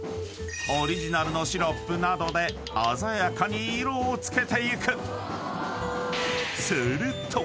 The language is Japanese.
［オリジナルのシロップなどで鮮やかに色を付けていく］